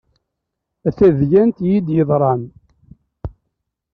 A tadyant yid-i yeḍran.